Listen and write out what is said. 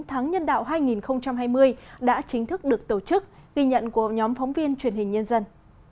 tháng nhân đạo hai nghìn hai mươi đã chính thức được tổ chức ghi nhận của nhóm phóng viên truyền hình nhân dân